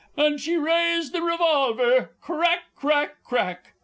And she raised the revolver "crack crack crack!"